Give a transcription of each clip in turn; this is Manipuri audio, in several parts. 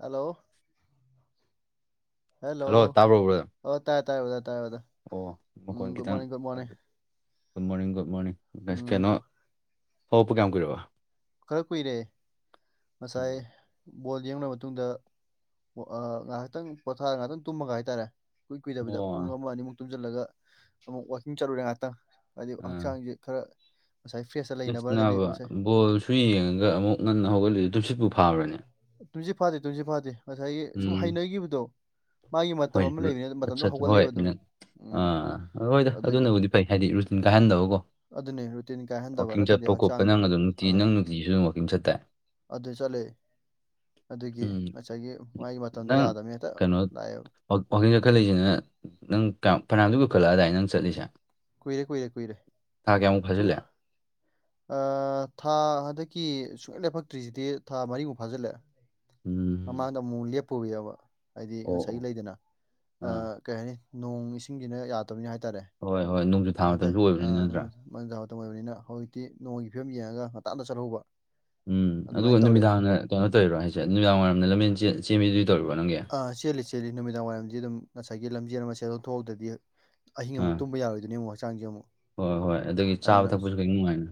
ꯍꯂꯣ ꯍꯦꯜꯂꯣ ꯍꯜꯂꯣ ꯇꯥꯕ꯭ꯔꯣ ꯕ꯭ꯔꯗꯔ ꯑꯣ ꯇꯥꯏꯌꯦ ꯇꯥꯏꯌꯦ ꯑꯣ ꯇꯥꯏꯌꯦ ꯑꯣ ꯎꯝ ꯃꯈꯣꯟ ꯒꯨꯗ ꯈꯤꯇꯪ morning good morning good morning good morning ꯎꯝ ꯀꯩꯅꯣ ꯍꯣ- ꯍꯧꯒꯠꯄ ꯀꯌꯥꯝ ꯀꯨꯏꯔꯕ ꯈꯔ ꯀꯨꯏꯔꯦ ꯉꯁꯥꯏ ꯎꯝ. ꯕꯣꯜ ꯌꯦꯡꯂꯣꯢꯕ ꯃꯇꯨꯡꯗ ꯉꯥꯏꯍꯥꯛꯇꯪ ꯄꯣꯊꯥ ꯉꯥꯏꯍꯥꯛꯇꯪ ꯇꯨꯝꯃꯒ ꯍꯥꯏꯇꯥꯔꯦ ꯀꯨꯏ ꯀꯨꯏꯗꯕꯤꯗ ꯄꯨꯡ ꯑꯣ ꯑꯃ ꯑꯅꯤꯃꯨꯛ ꯇꯨꯝꯁꯤꯜꯂꯒ ꯑꯃꯨꯛ ꯋꯥꯀꯤꯡ ꯆꯠꯂꯨꯔꯦ ꯉꯥꯏꯍꯥꯛꯇꯪ ꯍꯥꯏꯗꯤ ꯍꯛꯆꯥꯡꯁꯦ ꯈꯔ ꯉꯁꯥꯏ ꯐ꯭ꯔꯦꯁ ꯌꯦꯁꯅꯕ ꯕꯣꯜꯁꯨ ꯌꯦꯡꯉꯒ ꯑꯃꯨꯛ ꯉꯟꯅ ꯍꯧꯒꯠꯂꯤ ꯨꯇꯨꯝꯁꯤꯠꯄꯨ ꯐꯥꯕ꯭ꯔꯅꯦ ꯇꯨꯝꯁꯤꯠ ꯐꯥꯗꯦ ꯇꯨꯝꯁꯤꯠ ꯐꯥꯗꯦ ꯉꯁꯥꯏꯒꯤ ꯁꯨꯝ ꯎꯝ ꯍꯩꯅꯈꯤꯕꯗꯣ ꯃꯥꯒꯤ ꯃꯇꯝ ꯍꯣꯏ ꯑꯃ ꯔꯨ- ꯂꯩꯕꯅꯤ ꯑꯠꯆꯥ ꯃꯇꯝꯗꯣ ꯑꯠꯆꯥ ꯍꯣꯏ ꯍꯧꯒꯠꯂꯤꯑꯕ ꯑꯗꯨꯝ ꯅꯪ ꯎꯝ ꯑꯥ ꯍꯣꯏꯗ ꯑꯗꯨꯒꯤ ꯑꯗꯨꯅꯕꯨꯗꯤ ꯐꯩ ꯍꯥꯏꯗꯤ ꯔꯨꯇꯤꯟ ꯀꯥꯏꯍꯟꯗꯕꯀꯣ ꯑꯗꯨꯅꯦ ꯔꯨꯇꯤꯟ ꯀꯥꯏꯍꯟꯗꯕ ꯋꯥꯛꯀꯤꯡ ꯅꯠꯇ꯭ꯔꯗꯤ ꯆꯠꯄ ꯈꯣꯠꯄ ꯍꯛꯆꯥꯡꯗꯣ ꯅꯪ ꯑꯗꯨꯝ ꯅꯨꯡꯇꯤ ꯑꯥ ꯅꯪ ꯅꯨꯡꯇꯤꯁꯨ ꯑꯗꯨꯝ ꯋꯥꯛꯀꯤꯡ ꯆꯠꯇꯥꯏ ꯑꯗꯨ ꯆꯥꯠꯂꯦ ꯑꯗꯨꯒꯤ ꯎꯝ ꯉꯁꯥꯏꯒꯤ ꯃꯥꯒꯤ ꯃꯇꯝꯗꯣ ꯅꯪ ꯌꯥꯗꯕꯅꯤ ꯍꯦꯛꯇ ꯀꯩꯅꯣ ꯂꯥꯛꯑꯦꯕ ꯋꯥꯛꯀꯤꯡ ꯀꯠꯈꯠꯂꯛꯏꯁꯤꯅ ꯅꯪ ꯀꯌꯥꯝ ꯐꯅꯥꯌꯥꯝꯗꯤ ꯀꯨꯢꯈꯠꯂꯛ ꯑꯗꯥꯏ ꯅꯪ ꯆꯠꯂꯤꯁꯦ ꯀꯨꯏꯔꯦ ꯀꯨꯏꯔꯦ ꯀꯨꯏꯔꯦ ꯊꯥ ꯀꯌꯥꯃꯨꯛ ꯁꯨꯝ ꯐꯥꯖꯤꯜꯂꯛꯑꯦ ꯊꯥ ꯍꯟꯗꯛꯀꯤ ꯁꯨꯡꯛꯩ ꯂꯦꯞꯄꯛꯇ꯭ꯔꯤꯁꯤꯗꯤ ꯊꯥ ꯃꯔꯤꯃꯨꯛ ꯐꯥꯖꯤꯜꯂꯦ ꯎꯝ ꯃꯥꯡꯗ ꯑꯃꯨꯛ ꯂꯦꯞꯄꯨꯕ ꯍꯥꯏꯗꯤ ꯑꯣ ꯑꯣ ꯉꯁꯥꯏꯒꯤ ꯂꯩꯗꯅ ꯑꯥ ꯀꯩ ꯍꯥꯏꯅꯤ ꯅꯣꯡ ꯏꯁꯤꯡꯁꯤꯅ ꯌꯥꯗꯕꯅꯤ ꯍꯥꯏꯇꯥꯔꯦ ꯍꯣꯏ ꯍꯣꯏ ꯅꯣꯡꯁꯨꯨ ꯊꯥ ꯃꯇꯝꯁꯨ ꯑꯣꯏꯕꯅꯤ ꯅꯠꯇ꯭ꯔꯥ ꯅꯣꯡꯖꯨ ꯊꯥ ꯃꯇꯝ ꯑꯣꯏꯕꯅꯤꯅ ꯍꯧꯖꯤꯛꯇꯤ ꯅꯣꯡ ꯐꯤꯕꯝ ꯌꯦꯡꯉꯒ ꯉꯥꯟꯇ ꯆꯠꯍꯧꯕ ꯎꯝ ꯑꯗꯨꯒ ꯑꯗꯨꯃꯥꯏꯅ ꯇꯧꯔꯦ ꯅꯨꯃꯤꯗꯥꯡꯅ ꯀꯩꯅꯣ ꯇꯧꯔꯣ ꯍꯥꯏꯁꯦ ꯅꯨꯃꯤꯗꯥꯡ ꯋꯥꯏꯔꯝꯗ ꯂꯝꯖꯦꯟ ꯆꯦꯟꯕꯤꯗꯨꯗꯤ ꯇꯧꯔꯤꯕ꯭ꯔꯣ ꯅꯪꯒꯤ ꯑꯥ ꯆꯦꯜꯂꯤ ꯆꯦꯜꯂꯤ ꯅꯨꯃꯤꯗꯥꯡ ꯋꯥꯏꯔꯝꯗꯤ ꯑꯗꯨꯝ ꯉꯁꯥꯏꯒꯤ ꯂꯝꯖꯦꯜ ꯑꯃ ꯁꯤꯗ ꯊꯣꯛꯍꯧꯗ꯭ꯔꯗꯤ ꯑꯍꯤꯡ ꯑꯥ ꯑꯃꯨꯛ ꯇꯨꯝꯕ ꯌꯥꯔꯣꯏꯗꯨꯢꯅꯦ ꯑꯃꯨꯛ ꯍꯛꯆꯥꯡꯁꯦ ꯑꯃꯨꯛ ꯍꯣꯏ ꯍꯣꯏ ꯑꯗꯨꯗꯒꯤ ꯆꯥꯕ ꯊꯛꯄꯁꯨ ꯈꯤꯡ ꯅꯨꯡꯉꯥꯏꯅ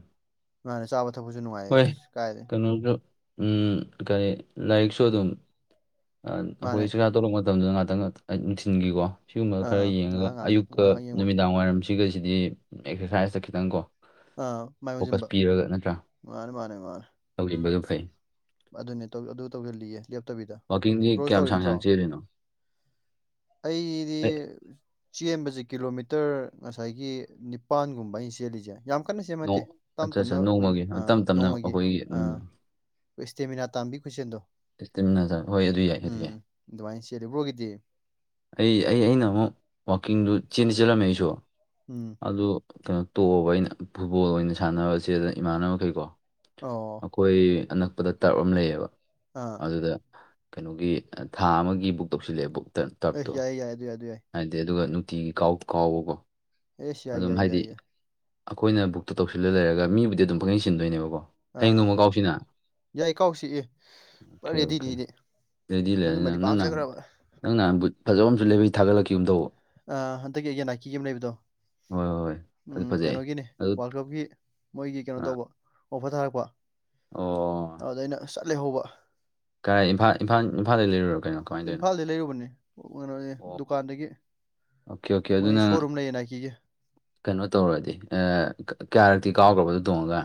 ꯃꯥꯥꯟꯅꯦ ꯆꯥꯕ ꯊꯛꯄꯁꯨ ꯅꯨꯡꯉꯥꯏꯌꯦ ꯍꯣꯏ ꯑꯁ ꯀꯥꯏꯗꯩ ꯀꯩꯅꯣꯁꯨ ꯀꯔꯤ ꯂꯥꯏꯔꯤꯛꯁꯨ ꯑꯗꯨꯝ ꯃꯥꯅꯦ ꯑꯩꯈꯣꯏ ꯇꯣꯂꯛ ꯃꯇꯝꯗ ꯉꯍꯥꯛꯇꯪ ꯅꯨꯡꯊꯤꯟꯒꯤꯀꯣ ꯁꯤꯒꯨꯝꯕ ꯈꯔ ꯑꯥ ꯌꯦꯡꯉꯒ ꯉꯥꯏꯍꯥꯛ ꯉꯥꯏꯍꯥꯛ ꯑꯌꯨꯛꯀ ꯉꯥꯏꯍꯥꯛ ꯉꯥꯏꯍꯥꯛ ꯌꯦꯡꯕ ꯅꯨꯃꯤꯗꯥꯡ ꯋꯥꯏꯔꯝꯁꯤ ꯁꯤꯒꯁꯤꯗꯤ ꯑꯦꯛꯁꯔꯁꯥꯏꯖꯇ ꯈꯤꯇꯪ ꯀꯣ ꯑꯥ ꯃꯥꯏ ꯑꯣꯟꯖꯤꯟꯕ ꯃꯥꯅꯦ ꯃꯥꯅꯦ ꯃꯥꯅꯦ ꯇꯧꯖꯤꯟꯕꯗ ꯐꯩ ꯑꯗꯨꯅꯦ ꯑꯗꯨ ꯇꯧꯁꯤꯜꯂꯤꯌꯦ ꯂꯦꯞꯇꯕꯤꯗ ꯋꯥꯛꯀꯤꯡꯗꯤ ꯕ꯭ꯔꯣꯁꯨ ꯀꯌꯥꯝ ꯇꯧꯔꯤꯕ ꯁꯥꯡ ꯅꯠꯇ꯭ꯔꯣ ꯁꯥꯡ ꯆꯦꯜꯂꯤꯅꯣ ꯑꯩꯗꯤ ꯑꯦ ꯆꯦꯟꯕꯁꯦ ꯀꯤꯂꯣꯃꯤꯇ ꯍꯇꯔ ꯉꯁꯥꯏꯒꯤ ꯅꯤꯄꯥꯟꯒꯨꯝꯕ ꯑꯩꯅ ꯆꯦꯜꯂꯤꯁꯦ ꯌꯥꯝ ꯀꯟꯅ ꯁꯦꯝꯕ ꯅꯣꯡ ꯅꯠꯇꯦ ꯇꯞ ꯑꯠꯆꯥ ꯑꯠꯆꯥ ꯇꯞꯅ ꯑꯩꯈꯣꯏꯒꯤ ꯅꯣꯡꯃꯒꯤ ꯑꯥ ꯇꯞ ꯇꯞꯅ ꯅꯣꯡꯃꯒꯤ ꯑꯩꯈꯣꯏꯒꯤ ꯎꯝ ꯑꯥ ꯏꯁꯇꯃꯤꯅꯥ ꯇꯥꯟꯕꯩ ꯈꯨꯨꯁꯤꯟꯗꯣ ꯏꯁꯇꯤꯝꯃꯤꯅ ꯍꯣꯏ ꯑꯗꯨ ꯌꯥꯏ ꯑꯗꯨ ꯌꯥꯏ ꯑꯗꯨꯃꯥꯏꯅ ꯆꯦꯜꯂꯤ ꯕ꯭ꯔꯣꯒꯤꯗꯤ ꯑꯩ ꯑꯩ ꯑꯩꯅ ꯑꯃꯨꯛ ꯋꯥꯛꯀꯤꯡꯗꯨ ꯆꯦꯟꯗꯤ ꯆꯠꯂꯝꯃꯦ ꯑꯩꯁꯨ ꯎꯝ ꯑꯗꯨ ꯀꯩꯅꯣ ꯇꯣꯛꯑꯕ ꯑꯩꯅ ꯐꯨꯠꯕꯣꯜ ꯑꯣꯏꯅ ꯁꯥꯟꯅꯔꯒ ꯏꯃꯥꯟꯅꯕꯈꯩꯀꯣ ꯑꯣ ꯑꯩꯈꯣꯏ ꯑꯅꯛꯄꯗ ꯇꯥ꯭ꯔꯞ ꯑꯃ ꯂꯩꯌꯦꯕ ꯑꯥ ꯑꯗꯨꯗ ꯀꯩꯅꯣꯒꯤ ꯊꯥ ꯑꯃꯒꯤ ꯕꯨꯛ ꯇꯧꯁꯤꯜꯂꯦꯑꯦ ꯕꯨꯛꯇ ꯑ ꯌꯥꯏꯌꯦ ꯌꯥꯏ ꯑꯗꯨ ꯌꯥꯏ ꯑꯗꯨ ꯍꯥꯏꯗꯤ ꯑꯗꯨꯒ ꯅꯨꯡꯇꯤꯒꯤ ꯀꯥꯎ ꯀꯥꯎꯕ ꯑꯦꯁ ꯌꯥꯏ ꯑꯗꯨꯝ ꯌꯥꯏ ꯍꯥꯏꯗꯤ ꯌꯥꯏ ꯌꯥꯏ ꯑꯩꯈꯣꯏꯅ ꯕꯨꯛꯇꯨ ꯇꯧꯁꯤꯜꯂ ꯂꯩꯔꯒ ꯃꯤꯕꯨꯗꯤ ꯑꯗꯨꯝ ꯄꯪꯁꯤꯟ ꯁꯤꯟꯗꯣꯏꯅꯦꯕꯀꯣ ꯑꯥ ꯌꯥꯏ ꯀꯥꯎꯁꯤꯏꯌꯦ ꯄꯨꯔ ꯑꯣꯀꯦ ꯑꯣꯀꯦ ꯔꯦꯗꯤꯅꯤꯅꯦ ꯔꯦꯗꯤ ꯂꯩꯔꯅꯤ ꯃꯗꯨꯃꯗꯤ ꯅꯪ ꯅꯪ ꯅꯍꯥꯟ ꯄꯥꯝꯖꯈ꯭ꯔꯥꯕ ꯅꯪ ꯅꯍꯥꯟ ꯕꯨꯠ ꯐꯖꯕ ꯑꯃꯁꯨ ꯂꯩꯕꯩ ꯊꯥꯒꯠꯂꯛꯈꯤꯕꯒꯤ ꯑꯃ ꯇꯧꯕ ꯍꯟꯗꯛꯀꯤ ꯑꯩꯒꯤ ꯅꯥꯏꯀꯤꯒꯤ ꯑꯃ ꯂꯩꯕꯗꯣ ꯍꯣꯏ ꯍꯣꯏ ꯎꯝ ꯑꯗꯨ ꯐꯖꯩ ꯀꯩꯅꯣꯒꯤꯅꯤ ꯑꯗꯨ ꯋꯥꯔꯜ ꯀꯞꯀꯤ ꯃꯣꯏꯒꯤ ꯀꯩꯅꯣ ꯑ ꯇꯧꯕ ꯑꯣꯐꯔ ꯊꯥꯔꯛꯄ ꯑꯣ ꯑꯗꯨꯗ ꯑꯩꯅ ꯆꯠ ꯂꯩꯍꯧꯕ ꯀꯥꯏ ꯏꯝꯐꯥ ꯏꯝꯐꯥ ꯏꯝꯐꯥꯜꯗ ꯂꯩꯔꯤꯔ ꯀꯩꯅꯣ ꯀꯃꯥꯏꯅ ꯇꯧꯔꯤꯅꯣ ꯏꯝꯐꯥꯜꯗꯒꯤ ꯂꯩꯔꯨꯕꯅꯦ ꯀꯩꯅꯣ ꯑꯣ ꯗꯨꯀꯥꯟꯗꯒꯤ ꯑꯣꯀꯦ ꯑꯣꯀꯦ ꯃꯣꯏ ꯑꯗꯨꯅ ꯁꯣꯔꯨꯝ ꯂꯩꯌꯦꯅ ꯅꯥꯢꯀꯤꯒꯤ ꯀꯩꯅꯣ ꯇꯧꯔꯗꯤ ꯀꯌꯥꯔꯛꯇꯤ ꯀꯥꯎꯈ꯭ꯔꯕ ꯑꯗꯨ ꯇꯣꯡꯉꯒ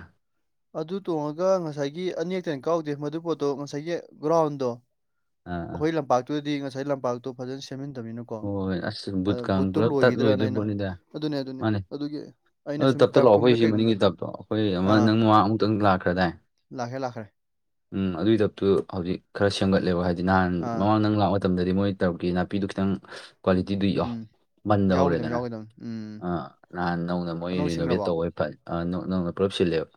ꯑꯗꯨ ꯇꯣꯡꯉꯒ ꯉꯁꯥꯏꯒꯤ ꯑꯅꯤꯔꯛꯇꯩ ꯍꯦꯟ ꯀꯥꯎꯗꯦ ꯃꯗꯨ ꯄꯣꯠꯇꯣ ꯉꯁꯥꯏꯒꯤ ꯒ꯭ꯔꯥꯎꯟꯗꯣ ꯑꯥ ꯑꯥ ꯑꯩꯈꯣꯏ ꯂꯝꯄꯥꯛꯇꯨꯗꯗꯤ ꯉꯁꯥꯏ ꯂꯝꯄꯥꯛꯇꯣ ꯐꯖꯅ ꯁꯦꯝꯖꯤꯟꯗꯃꯤꯅ ꯀꯣ ꯍꯣꯏ ꯍꯣꯏ, ꯑꯁ ꯑꯗꯨ ꯕꯨꯠꯀ ꯕꯨꯠꯇꯨ ꯄꯨꯂꯞ ꯇꯠ ꯂꯣꯏꯈꯤꯗ꯭ꯔꯅ ꯂꯣꯏꯗꯣꯏ ꯑꯩꯅ ꯄꯣꯠꯅꯤꯗ ꯑꯗꯨꯅꯦ ꯑꯗꯨꯅꯤ ꯃꯥꯅꯦ ꯑꯗꯨꯒꯤ ꯑꯩꯅ ꯑꯗꯨ ꯁꯨꯝ ꯇꯞꯇ ꯂꯥꯛꯑꯣ ꯑꯩꯈꯣꯏ ꯇꯔꯐꯀꯨꯝꯕꯗ ꯁꯤ ꯃꯅꯤꯡꯒꯤ ꯀꯩꯒꯨꯝꯕꯗ ꯇꯞꯇꯣ ꯑꯩꯈꯣꯏ ꯑꯃ ꯑꯥ ꯅꯪ ꯅꯃꯥꯡ ꯑꯃꯨꯛꯇꯪ ꯂꯥꯛꯈ꯭ꯔꯗꯥꯏ ꯂꯥꯛꯈ꯭ꯔꯦ ꯂꯥꯛꯈ꯭ꯔꯦ ꯎꯝ ꯑꯗꯨꯏ ꯗꯞꯇꯨ ꯍꯧꯖꯤꯛ ꯈꯔ ꯁꯦꯝꯒꯠꯂꯦꯕ ꯍꯥꯏꯗꯤ ꯅꯍꯥꯟ ꯑꯥ ꯃꯃꯥꯡꯗ ꯅꯪ ꯂꯥꯛ ꯃꯇꯝꯗꯗꯤ ꯃꯣꯏ ꯇ꯭ꯔꯞꯀꯤ ꯅꯥꯄꯤꯗꯨꯣ ꯈꯤꯇꯪ ꯀ꯭ꯋꯥꯂꯤꯇꯤꯗꯨ ꯏꯣ ꯎꯝ ꯃꯟꯗ ꯌꯥꯎꯒꯗꯕꯅꯤ ꯍꯧꯔꯦꯗꯅ ꯌꯥꯎꯒꯗꯕꯅꯤ ꯎꯝ ꯑꯥ ꯅꯍꯥꯟ ꯅꯧꯅ ꯃꯣꯏ ꯑꯅꯧ ꯔꯤꯅꯣꯚꯦꯠ ꯁꯤꯡꯈ꯭ꯔꯕꯣ ꯇꯧꯕꯏ ꯐ ꯅꯧꯅ ꯄꯨꯂꯞ ꯁꯤꯜꯂꯦꯕ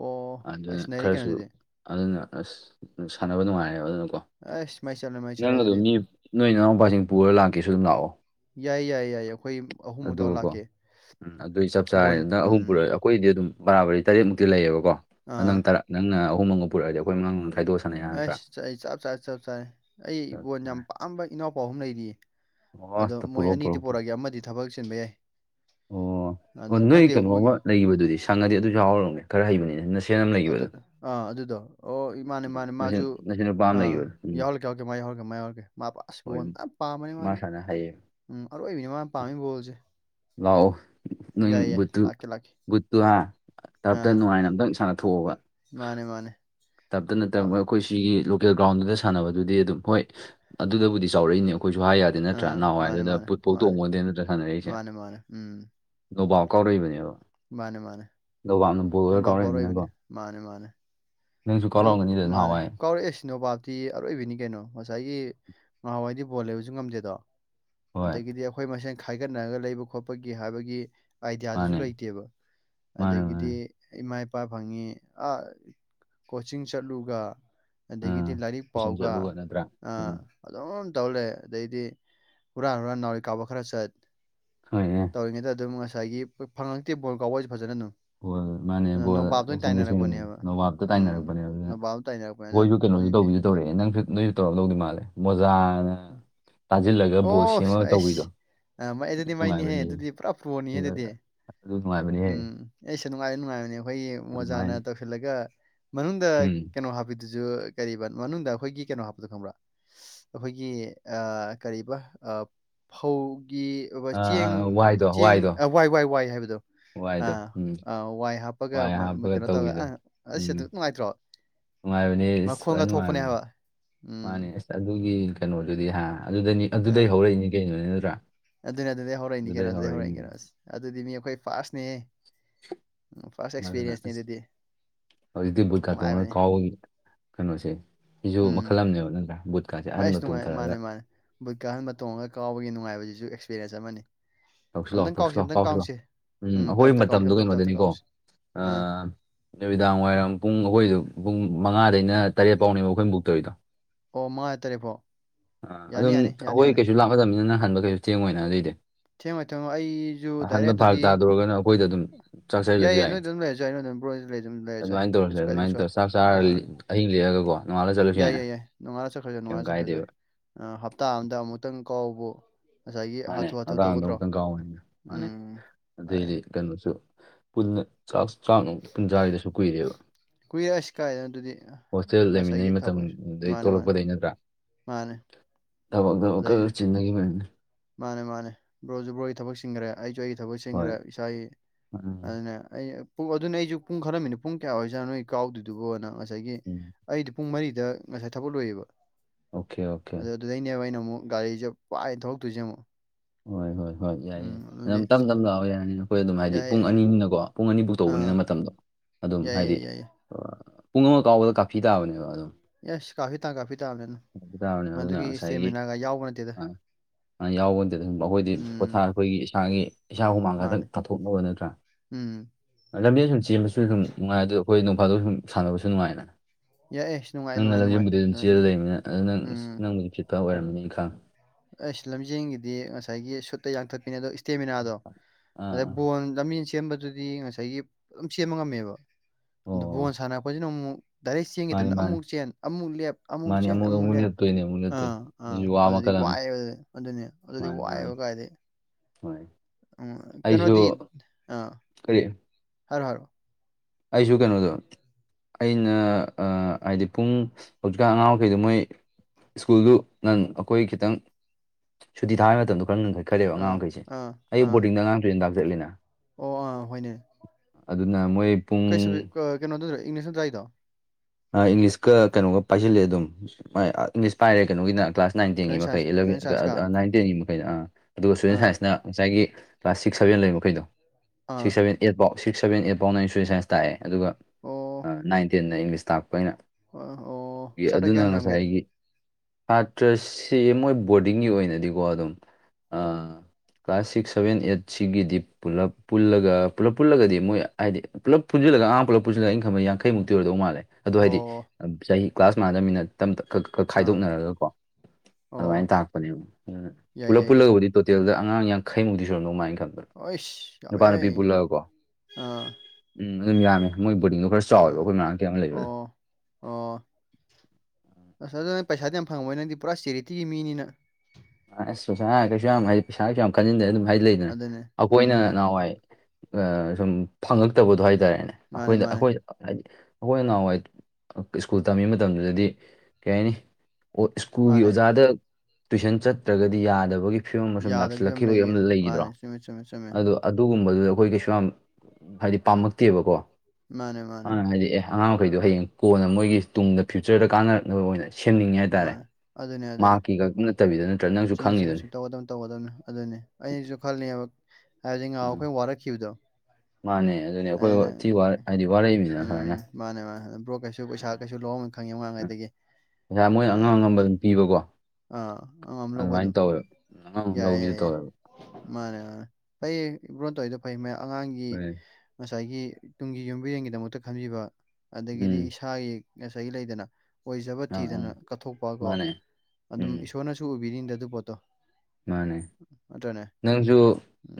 ꯑꯣ ꯑꯁ ꯑꯗꯨꯅ ꯅꯩꯔꯦ ꯀꯩꯅꯣ ꯈꯔꯁꯨ ꯑꯗꯨꯗꯤ ꯑꯗꯨꯅ ꯁꯥꯟꯅꯕ ꯅꯨꯡꯉꯥꯏꯔꯦꯕ ꯑꯗꯨꯅꯀꯣ ꯑꯁ ꯃꯥꯏ ꯆꯠꯂꯦ ꯃꯥꯏ ꯆꯠꯂꯦ ꯅꯪ ꯑꯗꯨꯗꯤ ꯑꯗꯨꯝ ꯃꯤ ꯅꯣꯏ ꯅꯅꯥꯎ ꯄꯥꯁꯤꯡ ꯄꯨꯔ ꯂꯥꯛꯀꯦꯁꯨ ꯑꯗꯨꯝ ꯂꯥꯛꯑꯣ ꯌꯥꯏ ꯌꯥꯏ ꯌꯥꯏ ꯑꯩꯈꯣꯏ ꯑꯍꯨꯝꯃꯨꯛ ꯇꯧꯔ ꯑꯗꯨꯀꯣ ꯂꯥꯛꯀꯦ ꯎꯝ ꯑꯗꯨꯏ ꯆꯞ ꯕꯣꯟ ꯆꯥꯔꯦ ꯅꯪ ꯑꯍꯨꯝ ꯎꯝ ꯄꯨꯔꯛꯑ ꯑꯈꯣꯏꯗꯤ ꯑꯗꯨꯝ ꯕꯥꯕꯔꯤ ꯇꯔꯠꯃꯨꯛꯇꯤ ꯂꯩꯌꯦꯕꯀꯣ ꯑꯥ ꯅꯪꯅ ꯑꯍꯨꯝ ꯑꯃꯒ ꯄꯨꯛꯑꯗꯤ ꯑꯩꯈꯣꯏ ꯃꯉꯥꯡꯗꯝ ꯈꯥꯏꯗꯣꯛꯑ ꯁꯥꯟꯅ ꯌꯥꯗ꯭ꯔꯥ ꯑꯁ ꯑꯩ ꯆꯞ ꯆꯥ ꯆꯞ ꯆꯥꯔꯦ ꯑꯩ ꯕꯣꯟ ꯌꯥꯝ ꯄꯥꯝꯕ ꯏꯅꯥꯎꯄꯥꯥꯎ ꯑꯍꯨꯝ ꯂꯩꯔꯤꯌꯦ ꯑꯣ ꯑꯗꯣ ꯃꯣꯏ ꯄꯨꯔꯛꯑꯣ ꯑꯅꯤꯗꯤ ꯄꯨꯔꯛꯑꯣ ꯄꯨꯔꯛꯑꯒꯦ ꯑꯃꯗꯤ ꯊꯕꯛ ꯆꯤꯟꯕ ꯌꯥꯏ ꯑꯣ ꯑꯗꯣ ꯑꯣ ꯅꯣꯏ ꯈꯪꯗꯦ ꯀꯩꯅꯣꯝꯃ ꯂꯩꯈꯤꯕꯗꯨꯗꯤ ꯁꯪꯉꯗꯤ ꯑꯗꯨ ꯌꯥꯎꯍꯥꯟ ꯂꯛꯑꯣꯅꯦ ꯈꯔ ꯍꯩꯕꯅꯤꯅꯦ ꯅꯁꯤꯟ ꯑꯗꯨ ꯑꯥ ꯑꯗꯨꯗꯣ ꯑꯣ ꯏꯃꯥꯅꯦ ꯃꯥꯅꯦ ꯅꯆꯦ ꯃꯥꯁꯨ ꯅꯆꯦ ꯅꯨꯄꯥ ꯑ ꯑꯃ ꯂꯩꯈꯤꯕꯗꯣ ꯎꯝ ꯌꯥꯎꯍꯜꯂꯛꯀ‌ꯦ ꯌꯥꯎꯍꯜꯂꯛꯀ‌ꯦ ꯃꯥ ꯌꯥꯎꯍꯜꯂꯛꯀ‌ꯦ ꯃꯥ ꯌꯥꯎꯍꯜꯂꯛꯀ‌ꯦ ꯃꯥ ꯄ ꯑꯁ ꯍꯣꯏ ꯕ‌ꯣꯟ ꯄ ꯄꯥꯝꯕꯅꯦ ꯃꯥ ꯃꯥꯅꯤ ꯁꯥꯟꯅ ꯍꯩꯌꯦ ꯎꯝ ꯑꯔꯣꯏꯕꯤꯅꯤ ꯃꯥꯅ ꯄꯥꯝꯃꯤ ꯕꯣꯜꯁꯦ ꯂꯥꯛꯑꯣ ꯅꯣꯏ ꯌꯥꯏ ꯌꯥꯏ ꯕꯨꯠꯇꯨ ꯂꯥꯛꯀꯦ ꯂꯥꯛꯀꯦ ꯕꯨꯨꯠꯇꯨ ꯍꯥꯥ ꯇꯞꯇ ꯑꯥ ꯅꯨꯡꯉꯥꯏꯅ ꯑꯝꯇꯪ ꯁꯥꯟꯅ ꯊꯣꯛꯑꯣꯕ ꯃꯥꯅꯦ ꯃꯥꯅꯦ ꯇꯞꯇ ꯑꯥ ꯅꯠꯇꯕ ꯑꯩꯈꯣꯏ ꯁꯤꯒꯤ ꯂꯣꯀꯦꯜ ꯒ꯭ꯔꯥꯎꯟꯗꯨꯗ ꯁꯥꯟꯅꯕꯗꯨꯗꯤ ꯑꯗꯨꯝ ꯍꯣꯏ ꯑꯗꯨꯗꯕꯨꯗꯤ ꯆꯥꯎꯔꯛꯏꯅꯦ ꯑꯩꯈꯣꯏꯁꯨ ꯍꯥꯏ ꯌꯥꯔꯦ ꯅꯠꯇ꯭ꯔ ꯅꯍꯋꯥꯏꯗꯨꯗ ꯕꯨꯠꯐꯥꯎ ꯇꯣꯡꯄ‌ꯣꯟꯇ‌ꯦ ꯅꯠꯇ꯭ꯔ ꯁꯥꯟꯅꯔꯛꯏꯁꯦ ꯃꯥꯅ‌ꯦ ꯎꯝ ꯅꯣꯕꯥꯞ ꯀꯥꯎꯔꯛꯏꯕꯅꯦꯕ ꯃꯥꯅꯦ ꯃꯥꯅꯦ ꯅꯣꯕꯥꯞꯅ ꯕꯣꯜ ꯑꯣꯏꯔ ꯅꯣꯕꯥꯞ ꯀꯥꯎꯔꯛꯏꯕꯅꯤ ꯀꯥꯎꯔꯛꯏꯅꯤꯅꯀꯣ ꯃꯥꯅꯦ ꯃꯥꯅꯦ ꯑꯗꯣ ꯃꯥꯅꯦ ꯀꯧꯔꯛꯑꯦ ꯑꯁ ꯅꯣꯕꯥꯞ ꯇꯤ ꯑꯔꯣꯏꯕꯤꯅꯤ ꯀꯩꯅꯣ ꯉꯁꯥꯏꯒꯤ ꯉꯍꯥꯟꯋꯥꯏꯗꯤ ꯕꯣꯜ ꯂꯩꯕꯁꯨ ꯉꯝꯗꯦꯗꯣ ꯍꯣꯏ ꯑꯗꯒꯤꯗꯤ ꯑꯩꯈꯣꯏ ꯑꯩꯈꯣꯏ ꯃꯁꯦꯟ ꯈꯥꯏꯒꯠꯅꯔꯒ ꯂꯩꯕ ꯈꯣꯠꯄꯒꯤ ꯍꯥꯏꯕꯒꯤ ꯑꯥꯏꯗꯤꯌꯥꯗꯨꯁꯨ ꯃꯥꯅꯦ ꯂꯩꯇꯦꯕ ꯃꯥꯅꯦ ꯑꯗꯒꯤꯗꯤ ꯃꯥꯅꯦ ꯏꯃꯥ ꯏꯄꯥ ꯐꯪꯉꯤ ꯑ ꯀꯣꯆꯤꯡ ꯆꯠꯂꯨꯒ ꯑꯥ ꯑꯗꯒꯤꯗꯤ ꯂꯥꯏꯔꯤꯛ ꯇꯨꯏꯁꯟ ꯄꯥꯎꯒ ꯆꯠꯂꯨꯕ ꯅꯠꯇ꯭ꯔꯥ ꯎꯝ ꯑꯗꯨꯝ ꯇꯧꯔ ꯂꯩꯔꯦ ꯑꯗꯩꯗꯤ ꯍꯨꯔꯥꯟ ꯍꯨꯔꯥꯟ ꯅꯥꯎꯔꯤ ꯀꯥꯞꯄ ꯈꯔ ꯆꯠ ꯍꯣꯏꯅꯦ ꯇꯧꯔꯤꯉꯩꯗ ꯑꯗꯨꯝ ꯉꯁꯥꯏꯒꯤ ꯐꯪꯉꯛꯇꯦ ꯕꯣꯜ ꯀꯥꯎꯕꯁꯦ ꯐꯖꯅ ꯑꯗꯨꯝ ꯍ‌ꯣ ꯃꯥꯅ‌ꯦ ꯕ‌ꯣꯜ ꯅꯣꯕꯥꯞꯇ ꯑꯣꯏꯅ ꯇꯥꯏꯅꯔꯛꯄꯅꯦꯕ [unintelligible] ꯅ‌ꯣꯕꯥꯞ ꯎꯝ ꯇꯥꯏꯅꯔꯛꯄꯅꯦ ꯑꯗꯨꯅ ꯅꯣꯕꯥꯞ ꯇꯥꯏꯅꯔꯛꯄꯅꯤꯅ ꯑꯩꯈꯣꯏꯁꯨ ꯀꯩꯅꯣꯁꯨ ꯍꯧꯖꯤꯛꯇꯤ ꯇꯧꯕꯤ ꯇꯧꯔꯛꯑꯦ ꯅꯪꯁꯨ ꯅꯣꯏꯁꯨ ꯇꯧꯔꯛꯑꯝꯗꯧꯗꯤ ꯃꯥꯜꯂꯦ ꯃꯣꯖꯥꯅ ꯇꯥꯁꯤꯜꯂꯒ ꯕꯣꯜ ꯑꯣ ꯁꯦꯝꯃꯒ ꯇꯧꯕꯤꯗꯣ ꯑꯩꯁ ꯑ ꯃꯩ ꯊꯤ ꯑꯗꯨꯗꯤ ꯃꯩꯅꯤꯍꯦ ꯅꯨꯡꯉꯥꯏꯕꯅꯤ ꯑꯗꯨꯗꯤ ꯄ꯭ꯔ‌ꯣꯅꯤꯍꯦ ꯑꯗꯨꯗꯤ ꯑꯗꯨꯒ ꯑꯗꯨ ꯅꯨꯡꯉꯥꯏꯕꯅꯤꯍꯦ ꯎꯝ ꯑꯩꯁꯨ ꯅꯨꯡꯉꯥꯏ ꯅꯨꯡꯉꯥꯏꯕꯅꯦ ꯑꯩꯈꯣꯏꯒꯤ ꯃ‌ꯣꯖꯥꯅ ꯑꯗꯨꯃꯥꯏꯅ ꯇꯧꯁꯤꯜꯂꯒ ꯃꯅꯨꯡꯗ ꯎꯝ ꯀꯩꯅꯣ ꯍꯥꯞꯄꯤ ꯑꯗꯨꯁꯨ ꯀꯔꯤꯕ ꯃꯅꯨꯡꯗ ꯑꯩꯈꯣꯏꯒꯤ ꯀꯩꯅꯣ ꯍꯥꯞꯄꯗꯣ ꯈꯪꯕ꯭ꯔꯥ ꯑꯩꯈꯣꯏꯒꯤ ꯑ ꯀꯔꯤꯕ ꯑ ꯐꯧꯒꯤ ꯑ ꯑ ꯆꯦꯡ ꯋꯥꯏꯗꯣ ꯆꯦꯡ ꯋꯥꯏꯗꯣ ꯋꯥꯏ ꯋꯥꯏ ꯋꯥꯏ ꯍꯥꯏꯕꯗꯣ ꯋꯥꯏꯗꯣ ꯑꯥ ꯎꯝ ꯑ ꯋꯥꯏ ꯍꯥꯞꯄꯒ ꯋꯥꯏ ꯍꯥꯞꯄꯒ ꯀꯩꯅꯣ ꯇꯧꯔꯒ ꯇꯧꯕꯤꯗꯣ ꯑ ꯑꯁ ꯎꯝ ꯑꯗꯨꯝ ꯅꯨꯡꯉꯥꯏꯇ꯭ꯔꯣ ꯅꯨꯡꯉꯥꯏꯕꯅꯦ ꯑꯁ ꯐꯖꯅ ꯃꯈꯣꯡꯒ ꯊꯣꯛꯄꯅꯦ ꯅꯨꯡꯉꯥꯏꯕꯅꯦ ꯍꯥꯏꯕ ꯎꯝ ꯃꯥꯅꯦ ꯑꯁ ꯑꯗꯨꯒꯤ ꯀꯩꯅꯣꯗꯨꯗꯤ ꯍꯥ ꯑꯗꯨꯗꯅꯤ ꯑꯗꯨꯗꯩ ꯍꯧꯔꯛꯏꯅꯤ ꯀꯩꯅꯣꯅꯤ ꯅꯠꯇ꯭ꯔꯥ ꯑꯗꯨꯅꯦ ꯑꯗꯨꯗꯩ ꯍꯧꯔꯛꯏꯅꯤ ꯀꯩꯅꯣ ꯑꯗꯨꯗꯩ ꯍꯧꯔꯛꯏꯅꯤ ꯀꯩꯅꯣ ꯑꯁ ꯑꯗꯨꯗꯤ ꯃꯤ ꯑꯩꯈꯣꯏ ꯐꯥꯔ꯭ꯁꯅꯦꯍ‌ꯦ ꯑꯗꯨꯅ ꯑꯁ ꯍꯧꯖꯤꯛꯇꯤ ꯕꯨꯠꯀꯥ ꯇꯣꯡꯉꯒ ꯅꯨꯡꯉꯥꯏꯕꯅꯤ ꯀꯥꯎꯕꯒꯤ ꯀꯩꯅꯣꯁꯦ ꯏꯁꯨ ꯃꯈꯜ ꯎꯝ ꯑꯃꯅꯦꯕ ꯅꯠꯇ꯭ꯔꯥ ꯕꯨꯠꯀꯥꯁꯦ ꯑꯍꯟꯕ ꯇꯣꯡꯊꯔꯛꯒ ꯕꯨꯠꯀꯥ ꯑꯍꯟꯕ ꯇꯣꯡꯉꯒ ꯀꯥꯎꯕꯒꯤ ꯅꯨꯡꯉꯥꯏꯕꯁꯤꯁꯨ ꯑꯦꯛꯁꯄꯤꯔꯦꯟꯁ ꯑꯃꯅꯤ ꯇꯧꯁꯤ ꯂꯥꯎ ꯑꯝꯇꯪ ꯇꯧꯁꯤ ꯀꯥꯎꯁꯦ ꯂꯥꯎ ꯑꯝꯇꯪ ꯀꯥꯎꯁꯤ ꯂꯥꯎ ꯀꯥꯎꯁꯦ ꯎꯝ ꯑꯩꯈꯣꯏ ꯇꯞꯇ ꯀꯥꯎꯁꯤ ꯃꯇꯝꯗꯣ ꯑꯝꯇ ꯇꯞꯇ ꯀꯩꯅꯣꯗꯅꯤꯀꯣ ꯀꯥꯎꯁꯤ ꯑꯥ ꯅꯨꯃꯤꯗꯥꯡ ꯋꯥꯏꯔꯝ ꯄꯨꯡ ꯑꯩꯈꯣꯏꯗꯨ ꯄꯨꯡ ꯃꯉꯥꯗꯩꯅ ꯇꯔꯦꯠ ꯐꯥꯎꯅꯤꯕ ꯑꯩꯈꯣꯏ ꯕꯨꯛ ꯇꯧꯔꯤꯗꯣ ꯑꯣ ꯃꯉꯥ ꯇꯔꯦꯠꯐꯥꯎ ꯌꯥꯅꯤ ꯑꯗꯨꯝ ꯌꯥꯅꯤ ꯌꯥꯅꯤ ꯑꯩꯈꯣꯏ ꯌꯥꯅꯤ ꯀꯩꯁꯨ ꯂꯥꯞꯅꯗꯕꯅꯤꯅ ꯅꯪ ꯍꯟꯕ ꯀꯩꯁꯨ ꯊꯦꯡꯉꯣꯏꯅ ꯑꯗꯨꯏꯗꯤ ꯊꯦꯡꯉ‌ꯣꯏ ꯊꯦꯡꯉ‌ꯣꯏ ꯑꯩ ꯖꯨ ꯗꯥꯏꯔꯦ ꯍꯟꯕ ꯐꯔꯛ ꯑꯗꯨꯗꯤ ꯇꯥꯗꯣꯔꯒꯅ ꯑꯩꯈꯣꯏꯗ ꯑꯗꯨꯝ ꯆꯥꯛ ꯆꯥꯁꯤꯜꯂꯁꯨ ꯌꯥꯏꯌꯦ ꯌꯥꯏ ꯅꯣꯏꯗ ꯑꯗꯨꯝ ꯂꯩꯔꯁꯨ ꯌꯥꯏ ꯅꯣꯏꯗ ꯑꯗꯨꯝ ꯕ꯭ꯔꯣ ꯅ‌ꯣꯏꯗꯨꯝ ꯂꯩꯔꯁꯨ ꯌꯥꯏ ꯑꯗꯨꯃꯥꯏꯅ ꯇꯧꯔꯁꯦ ꯀꯩꯁꯨ ꯀꯥꯏꯗꯦ ꯑꯗꯨꯃꯥꯏꯅ ꯀꯩꯁꯨ ꯇꯧꯔ ꯀꯥꯏꯗꯦ ꯆꯥꯛ ꯑ ꯆꯥꯔ ꯂꯤ- ꯑꯍꯤꯡ ꯂꯦꯛꯑꯒꯀꯣ ꯅꯣꯡꯉꯥꯜꯂ ꯆꯠꯂꯁꯨ ꯌꯥꯏ ꯌꯥꯏꯅ ꯌꯥꯏ ꯌꯥꯏ ꯅꯣꯡꯉꯥꯜꯂ ꯆꯠꯈ꯭ꯔꯁꯨ ꯌꯥꯏ ꯀꯩꯝ ꯅꯣꯡꯉꯥꯜꯂ ꯆꯠꯈ꯭ꯔꯁꯨ ꯀꯥꯏꯗꯦꯕ ꯌꯥꯏ ꯍꯞꯇꯥ ꯑ ꯑꯃꯗ ꯑꯃꯨꯛꯇꯪ ꯀꯥꯎꯕꯨ ꯉꯁꯥꯏꯒꯤ ꯍꯥꯊꯨ ꯑꯗꯥꯥꯡꯗ ꯇꯧꯒꯗ꯭ꯔꯣ ꯑꯃꯨꯛꯇꯪ ꯀꯥꯎꯋꯦꯅ ꯃꯥꯅꯤ ꯎꯝ ꯑꯗꯨꯏꯗꯤ ꯀꯩꯅꯣꯁꯨ ꯄꯨꯟꯅ ꯆꯥꯛ ꯆꯥꯛ ꯅꯨꯡ ꯄꯨꯟ ꯖꯥꯔꯤꯗꯁꯨ ꯀꯨꯏꯔꯦꯕ ꯀꯨꯏꯔꯦ ꯑꯁ ꯀꯥꯏꯗꯅꯣ ꯑꯗꯨꯗꯤ ꯍꯣꯁꯇꯦꯜ ꯉꯁꯥꯏꯒꯤ ꯂꯩꯃꯤꯟꯅꯩ ꯊꯕꯛ ꯃꯇꯝꯗꯩ ꯃꯥꯅꯦ ꯃꯥꯅꯦ ꯇꯣꯂꯛꯄꯗꯩ ꯅꯠꯇ꯭ꯔꯥ ꯃꯥꯅꯦ ꯊꯕꯛ ꯗꯕꯛ ꯒ ꯑꯗꯩ ꯆꯤꯟꯅꯒꯤꯕꯩꯅꯤ ꯃꯥꯅꯦ ꯃꯥꯅꯦ ꯕ꯭ꯔꯣꯁꯨ ꯕꯣꯒꯤ ꯊꯕꯛꯁꯤ ꯆꯤꯡꯈ꯭ꯔꯦ ꯑꯩꯁꯨ ꯑꯩꯒꯤ ꯊꯕꯛ ꯍꯣꯏ ꯆꯤꯡꯈ꯭ꯔꯦ ꯏꯁꯥꯒꯤ ꯎꯝ ꯑꯗꯨꯅ ꯑꯩ ꯄꯨꯡ ꯑꯗꯨꯅ‌ꯦ ꯑꯩꯖꯨ ꯄꯨꯡ ꯈꯜꯂꯝꯃꯤꯅ‌ꯦ ꯄꯨꯡ ꯀꯌꯥ ꯑꯣꯏꯖꯥꯠꯅ‌ꯣ ꯑꯩ ꯀꯥꯎꯗꯣꯏꯗꯨꯕꯣꯅ ꯉꯁꯥꯏꯒꯤ ꯎꯝ ꯑꯩꯗꯤ ꯄꯨꯡ ꯃꯔꯤꯗ ꯉꯁꯥꯏ ꯊꯕꯛ ꯂꯣꯏꯌꯦꯕ ꯑꯣꯀꯦ ꯑꯣꯀꯦ ꯑꯗꯣ ꯑꯗꯨꯗꯩꯅꯦꯕ ꯑꯩꯅ ꯑꯃꯨꯛ ꯒꯥꯔꯤꯁꯦ ꯄꯥꯏ ꯊꯧꯔꯛꯇꯣꯏꯁꯦ ꯃꯨꯛ ꯍꯣꯏ ꯍꯣꯏ ꯍꯣꯏ ꯌꯥꯏ ꯌꯥꯏ ꯑꯗꯨꯝ ꯇꯝ ꯇꯞꯅ ꯂꯥꯛꯑꯣ ꯌꯥꯅꯤ ꯅꯈꯣꯏ ꯑꯗꯨꯝ ꯍꯥꯏꯗꯤ ꯌꯥꯏꯌꯦ ꯄꯨꯡ ꯑꯅꯤꯅꯀꯣ ꯄꯨꯡ ꯑꯅꯤ ꯕꯨꯛ ꯇꯧꯕꯅꯤꯅ ꯑꯥ ꯃꯇꯝꯗꯣ ꯑꯗꯨꯝ ꯌꯥꯏꯌꯦ ꯍꯥꯏꯗꯤ ꯌꯥꯏꯌꯦ ꯄꯨꯡ ꯑꯃ ꯀꯥꯎꯕꯗ ꯀꯥꯐꯤ ꯇꯥꯕꯅꯦꯕ ꯑꯗꯨꯝ ꯑꯦꯁ ꯀꯥꯐꯤ ꯇꯥ ꯀꯥꯐꯤ ꯇꯥꯕꯅꯤꯗꯨꯝ ꯀꯥꯐꯤ ꯇꯥꯕꯅꯦꯕ ꯑꯗꯨꯅ ꯃꯗꯨꯒꯤ ꯏꯁꯇꯦꯃꯤꯅꯥꯒ ꯌꯥꯎꯕ ꯅꯠꯇꯦꯗ ꯑꯥ ꯌꯥꯎꯕꯗꯤ ꯑꯩꯈꯣꯏꯗꯤ ꯎꯝ ꯄꯣꯊꯥꯔꯛꯄꯒꯤ ꯏꯁꯥꯒꯤ ꯏꯁꯥ ꯍꯨꯃꯥꯡ ꯈꯇꯪ ꯃꯥꯅꯦ ꯇꯥꯊꯣꯛꯅꯕ ꯅꯠꯇ꯭ꯔꯥ ꯎꯝ ꯂꯝꯖ‌ꯩꯜ ꯁꯨꯝ ꯆꯦꯟꯕꯁꯨ ꯑꯗꯨꯝ ꯅꯨꯡꯉꯥꯏ ꯑꯗꯣ ꯑꯩꯈꯣꯏ ꯅꯣꯡꯐꯥꯗꯣꯛ ꯁꯨꯝ ꯁꯥꯟꯅꯕꯁꯨ ꯅꯨꯡꯉꯥꯏꯗꯅ ꯌꯥꯏ ꯑꯦꯁ ꯅꯨꯡꯉꯥꯏ ꯅꯪꯅ ꯅꯨꯡꯉꯥꯏ ꯂꯝꯖ‌ꯦꯜꯕꯨꯗꯤ ꯑꯗꯨꯝ ꯆꯦꯜꯂ ꯅꯨꯡꯉꯥꯏ ꯂꯩꯕꯅꯤꯅ ꯑꯗꯨ ꯅꯪ ꯑꯁ ꯎꯝ ꯅꯪꯕꯨꯗꯤ ꯐꯤꯠꯄ ꯑꯣꯏꯔꯝꯃꯅꯤ ꯑꯩ ꯈꯪ ꯑꯩꯁ ꯂꯝꯖꯦꯟꯒꯤꯗꯤ ꯉꯁꯥꯏꯒꯤ ꯁꯨꯠꯇ ꯌꯥꯡꯊꯛꯄꯤꯅꯤ ꯑꯗꯣ ꯏꯁ ꯇꯦꯃꯤꯅꯥꯗꯣ ꯑꯥ ꯑꯗꯩ ꯑꯥ ꯕꯣꯟ ꯂꯝꯖꯦꯟ ꯆ‌ꯦꯟꯕꯗꯨꯗꯤ ꯉꯁꯥꯏꯒꯤ ꯗꯨꯝ ꯆ‌ꯦꯟꯕ ꯉꯝꯃꯦꯕ ꯑꯗꯨ ꯕꯣꯟ ꯑꯣ ꯁꯥꯟꯅꯔꯛꯄꯁꯤꯅ ꯑꯃꯨꯛ ꯗꯥꯏꯔꯦꯛ ꯃꯥꯅꯤ ꯆꯦꯟꯈꯤꯗꯕꯅ ꯃꯥꯅꯤ ꯑꯃꯨꯛ ꯆꯦꯟ ꯑꯃꯨꯛ ꯂꯦꯞ ꯑꯃꯨꯛ ꯃꯥꯅꯤ ꯆꯦꯟ ꯑꯃꯨꯛ ꯂꯦꯞ ꯂꯦꯞꯇꯣꯏꯅꯦ ꯑꯃꯨꯛ ꯑꯥ ꯂꯦꯞꯇꯣꯏꯅꯦ ꯑꯥ ꯁꯤꯁꯨ ꯋꯥ ꯑꯗꯨꯗꯤ ꯃꯈꯜ ꯑꯃꯅꯤ ꯋꯥꯏꯑꯦꯕ ꯑꯗꯨꯅꯤ ꯑꯗꯨꯗꯤ ꯃꯥꯅꯤ ꯋꯥꯏꯑꯦꯕ ꯃꯥꯅꯤ ꯀꯥꯏꯗꯩ ꯍꯣꯏ ꯎꯝ ꯑꯩꯁꯨ ꯀꯩꯅꯣꯗꯤ ꯑꯥ ꯀꯔꯤ ꯍꯥꯏꯔ‌ꯣ ꯍꯥꯏꯔꯣ ꯑꯩꯖꯨ ꯀꯩꯅꯣꯗ‌ꯣ ꯑꯩꯅ ꯑꯥ ꯍꯥꯏꯗꯤ ꯄꯨꯡ ꯍꯧꯖꯤꯛꯀꯥꯟ ꯑꯉꯥꯡ ꯃꯈꯩꯗꯣ ꯃꯣꯏ ꯁ꯭ꯀꯨꯜꯗꯨ ꯅꯪ ꯑꯩꯈꯣꯏ ꯈꯤꯇꯪ ꯁꯨꯇꯤ ꯊꯥꯕ ꯃꯇꯝꯗꯣ ꯈꯔ ꯉꯟꯈꯠ ꯈꯜꯂꯦꯕ ꯑꯥ ꯑꯉꯥꯡ ꯃꯈꯩꯁꯦ ꯑꯥ ꯑꯩ ꯑꯥ ꯕꯣꯔꯗꯤꯡꯗ ꯑꯉꯥꯡ ꯇꯨꯏꯁꯟ ꯇꯥꯛ ꯆꯠꯂꯤꯅ ꯑꯣ ꯑꯥ ꯍꯣꯏꯅꯦ ꯑꯗꯨꯅ ꯃꯣꯏ ꯄꯨꯡ ꯀꯩ ꯁꯕ‌ꯦꯛ ꯑꯥ ꯀꯩꯅꯣꯗꯨꯔꯥ ꯏꯪꯂꯤꯁ ꯅ ꯇꯥꯛꯏꯗ‌ꯣ ꯏꯪꯂꯤꯁꯀ ꯀꯩꯅꯣꯒ ꯄꯥꯏꯁꯤꯜꯂꯦ ꯑꯗꯨꯝ ꯏꯪꯂꯤꯁ ꯄꯥꯏꯔꯦ ꯀꯩꯅꯣꯒꯤꯅ ꯀ꯭ꯂꯥꯁ ꯅꯥꯏꯟ ꯇꯦꯟꯒꯤ ꯁꯣꯁꯦꯜ ꯁꯥꯏꯟꯁ ꯃꯈꯩ ꯑꯦꯂꯕꯦꯟ ꯁꯣꯁꯦꯜ ꯁꯥꯏꯟꯁꯀ ꯑꯥ ꯅꯥꯏꯟ ꯇꯦꯟꯒꯤ ꯃꯈꯩꯅ ꯑꯥ ꯑꯗꯨꯒ ꯁꯨꯖ‌ꯦꯜ ꯑꯥ ꯁꯥꯏꯟꯁꯅ ꯉꯁꯥꯏꯒꯤ ꯀ꯭ꯂꯥꯁ ꯁꯤꯛꯁ ꯁꯚꯦꯟ ꯂꯩꯕ ꯃꯈꯩꯗꯣ ꯑꯥ six seven eight four six seven eight ꯐꯥꯎꯅ ꯑꯩ ꯁꯨꯁ‌ꯦꯜ ꯁꯥꯏꯟꯁ ꯇꯥꯛꯑꯦ ꯑꯗꯨꯒ ꯑ, ꯑꯣ ꯅꯥꯏꯟ ꯇꯦꯟꯅ ꯏꯪꯂꯤꯁ ꯇꯥꯛꯄ ꯑꯩꯅ ꯑꯣ ꯁꯕꯖꯦꯛ ꯑꯗꯨꯅ ꯀꯌꯥꯝ ꯌꯥꯝꯒꯦ ꯉꯁꯥꯏꯒꯤ ꯁꯥꯇ꯭ꯔ ꯁꯤ ꯃꯣꯏ ꯕꯣꯔꯗꯤꯡꯒꯤ ꯑꯣꯏꯅꯗꯤꯀꯣ ꯑꯗꯨꯝ ꯀ꯭ꯂꯥꯁ ꯁꯤꯛꯁ ꯁꯚꯦꯟ ꯑꯩꯠꯁꯤꯒꯤꯗꯤ ꯄꯨꯂꯞ ꯄꯨꯜꯂꯒ ꯄꯨꯂꯞ ꯄꯨꯜꯂꯒꯗꯤ ꯃꯣꯏ ꯍꯥꯏꯗꯤ ꯄꯨꯂꯞ ꯄꯨꯟꯜꯂꯒ ꯑꯥ ꯄꯨꯂꯞ ꯄꯨꯟꯜꯂ ꯑ ꯈꯝꯕꯩ ꯌꯥꯡꯩꯃꯨꯛꯇ ꯑꯣꯏꯔꯗꯧ ꯃꯥꯂꯦ ꯑꯗꯨ ꯍꯥꯏꯗꯤ ꯑꯣ ꯆꯍꯤ ꯀ꯭ꯂꯥꯁ ꯃꯥꯟꯅꯕꯃꯤꯅ ꯑꯥ ꯈꯥꯏꯗꯣꯛꯅꯔꯒ ꯀꯣ ꯑꯣ ꯑꯗꯨꯃꯥꯏꯅ ꯇꯥꯛꯔꯄꯅꯦꯕ ꯑꯗꯨ ꯌꯥꯏ ꯄꯨꯂꯞ ꯌꯥꯏ ꯌꯥꯏ ꯄꯨꯜꯂꯒꯕꯨꯗꯤ ꯇꯣꯇꯦꯜꯗ ꯑꯉꯥꯡ ꯌꯥꯡꯩꯃꯨꯛꯇꯤ ꯁꯨ ꯅꯣꯡꯃꯥꯏꯅ ꯈꯪꯗ꯭ꯔꯥ ꯑꯣꯏꯣꯏꯁ ꯌꯥꯃꯦ ꯑ ꯎꯝ ꯑꯗꯨꯝ ꯌꯥꯝꯃꯦ ꯃꯣꯏꯕꯨꯔꯤꯗ ꯑ ꯑꯣ ꯑꯣ ꯑꯁ ꯑꯗꯨ ꯅꯪ ꯄꯩꯁꯥꯗꯤ ꯌꯥꯝ ꯐꯪꯉꯝꯃ‌ꯣꯏ ꯅꯪꯗꯤ ꯄꯨꯔꯥ ꯆꯦꯔꯤꯇꯤꯒꯤ ꯃꯤꯅꯤꯅ ꯑ ꯑꯁ ꯄꯩꯁꯥ ꯀꯩꯁꯨ ꯌꯥꯝ ꯍꯥꯏꯗꯤ ꯄꯩꯁꯥꯏꯁꯨ ꯌꯥꯝ ꯈꯟꯖꯤꯟꯗꯔ‌ꯦ ꯗꯨꯝ ꯍꯥꯏꯗꯤ ꯂꯩꯗꯅ ꯑꯗꯨꯅꯦ ꯑꯩꯈꯣꯏꯅ ꯎꯝ ꯅꯍꯥꯟꯋꯥꯏ ꯁꯨꯝ ꯐꯪꯉꯛꯇꯕꯗꯣ ꯍꯥꯏꯇꯥꯔꯦꯅꯦ ꯃꯥꯅꯦ ꯑꯩꯈꯣꯏꯗ ꯃꯥꯅꯦ ꯑꯩꯈꯣꯏ ꯍꯥꯏꯗꯤ ꯑꯩꯈꯣꯏ ꯅꯍꯥꯟꯋꯥꯏ ꯁ꯭ꯀꯨꯜ ꯇꯝꯃꯤ ꯃꯇꯝꯗꯨꯗꯗꯤ ꯀꯩ ꯍꯥꯏꯅꯤ ꯑꯣ ꯁ꯭ꯀꯨꯜꯒꯤ ꯃꯥꯅꯦ ꯑꯣꯖꯥꯗ ꯇꯨꯏꯁꯟ ꯆꯠꯇ꯭ꯔꯒꯗꯤ ꯌꯥꯗꯕꯒꯤ ꯐꯤꯕꯝ ꯑꯃ ꯁꯨꯝ ꯌꯥꯗꯕ ꯐꯤꯕꯝ ꯂꯥꯛꯁꯤꯜꯂꯛꯈꯤꯕꯒꯤ ꯑꯃ ꯂꯩꯒꯤꯕꯅꯦ ꯂꯩꯈꯤꯗ꯭ꯔꯣ ꯃꯥꯅꯦ ꯆꯨꯝꯃꯦ ꯆꯨꯝꯃꯦ ꯆꯨꯝꯃꯦ ꯑꯣ ꯑꯗꯨꯒꯨꯝꯕꯗꯨꯗ ꯑꯩꯈꯣꯏ ꯀꯩꯁꯨ ꯌꯥꯝ ꯍꯥꯏꯗꯤ ꯄꯥꯝꯃꯛꯇꯦꯕꯀꯣ ꯃꯥꯅꯦ ꯃꯥꯅꯦ ꯍꯥꯏꯗꯤ ꯑꯦ ꯑꯉꯥꯡ ꯃꯈꯩꯗꯣ ꯍꯌꯦꯡ ꯀꯣꯟꯅ ꯃꯣꯏꯒꯤ ꯇꯨꯡꯗ ꯐ꯭ꯌꯨꯆꫪꯗ ꯀꯥꯟꯅꯔꯛꯅꯕ ꯑꫭꯏꯅ ꯁꯦꯝꯅꯤꯡꯉꯦ ꯍꯥꯏꯇꯥꯔꯦ ꯃꯥꯅꯦ ꯑꯗꯨꯅꯦ ꯑꯗꯨꯅꯦ ꯃꯥꯛꯀꯤ ꯈꯛ ꯅꯠꯇꯕꯤꯗꯅ ꯆꯨꯝꯃꯦ ꯆꯨꯝꯃꯦꯁ ꯇꯧꯒꯗꯕꯅꯤ ꯇꯧꯒꯗꯕꯅꯤ ꯑꯗꯨꯅꯤ ꯑꯩꯩꯅꯁꯨ ꯈꯜꯂꯤꯕ ꯍꯥꯏꯕꯗꯤ ꯉꯍꯧ ꯎꯝ ꯑꯈꯣꯏꯅ ꯋꯥꯔꯛꯈꯤꯕꯗꯣ ꯃꯥꯅꯦ ꯑꯗꯨꯅꯦ ꯑꯩꯈꯣꯏ ꯑꯗꯨꯅ ꯊꯤ ꯋꯥꯔꯛ ꯍꯥꯏꯗꯤ ꯋꯥꯔꯛꯏꯅꯤꯅ ꯁꯃꯥꯏꯅ ꯎꯝ ꯃꯥꯅꯦ ꯃꯥꯅꯦ ꯕ꯭ꯔꯣ ꯀꯩꯁꯨ ꯄꯩꯁꯥ ꯀꯩꯁꯨ ꯂꯣꯡ ꯈꯪꯉꯤ ꯎꯝ, ꯑꯉꯥꯡꯉꯩꯗꯒꯤ ꯄꯩꯁꯥ ꯃꯣꯏꯅ ꯑꯉꯝ ꯑꯥ ꯑꯉꯝꯕ ꯑꯗꯨꯝ ꯄꯤꯕꯀꯣ ꯑ ꯑꯉꯝ ꯉꯝ ꯂꯧꯕ ꯑꯗꯨꯃꯥꯏꯅ ꯑꯗꯨꯝ ꯇꯧꯋꯦꯕ ꯑꯉꯥꯡ ꯑꯃ ꯌꯥꯏ ꯂꯧꯕꯤꯗꯨ ꯌꯥꯏ ꯌꯥꯏ ꯇꯧꯋꯦꯕ ꯃꯥꯅꯦ ꯃꯥꯅꯦ ꯐꯩ ꯏꯕ꯭ꯔꯣꯣꯟꯇꯗꯣ ꯐꯩ ꯑꯉꯥꯡꯒꯤ ꯍꯣꯏ ꯉꯁꯥꯏꯒꯤ ꯇꯨꯡꯒꯤ ꯌꯨꯝꯕꯤꯔꯡꯒꯤꯗꯃꯛꯇ ꯈꯟꯕꯤꯕ ꯑꯗꯒꯤꯗꯤ ꯎꯝ ꯏꯁꯥꯒꯤ ꯉꯁ ꯂꯩꯗꯅ ꯑꯣꯏꯖꯕ ꯑꯥ ꯑꯥ ꯊꯤꯗꯅ ꯀꯠꯊꯣꯛꯄ ꯀꯣ ꯃꯥꯅꯦ ꯑꯗꯨꯝ ꯎꯝ ꯏꯁꯣꯔꯅ ꯎꯕꯤꯔꯤꯟꯗ ꯑꯗꯨ ꯄꯣꯠꯇꯣ ꯃꯥꯅꯦ ꯅꯠꯇ꯭ꯔꯅꯦ ꯅꯪꯁꯨ